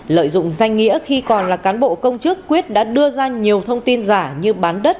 lợi dụng danh nghĩa khi còn là cán bộ công chức quyết đã đưa ra nhiều thông tin giả như bán đất